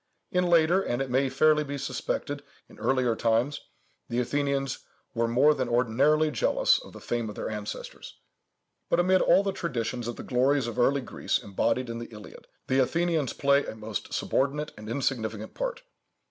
In later, and it may fairly be suspected in earlier times, the Athenians were more than ordinarily jealous of the fame of their ancestors. But, amid all the traditions of the glories of early Greece embodied in the Iliad, the Athenians play a most subordinate and insignificant part.